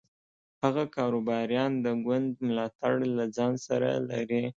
هغه کاروباریان د ګوند ملاتړ له ځان سره لري.